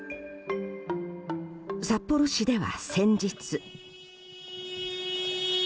札幌市では先日。